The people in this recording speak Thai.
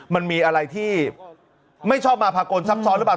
มันมีอะไรที่ไม่ชอบมาพากลซับซ้อนหรือเปล่า